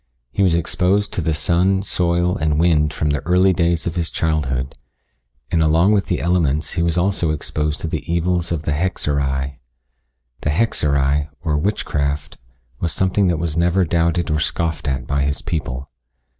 He was exposed to the sun, soil, and wind from the early days of his childhood, and along with the elements he also was exposed to the evils of the hexerei. The hexerei, or witchcraft, was something that was never doubted or scoffed at by his people.